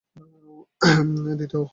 দ্বিতীয়ত উহা অধিকাংশ ব্যক্তিরই উপযোগী নয়।